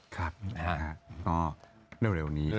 ครับเร็วนี้